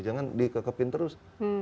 jangan dikekepin terus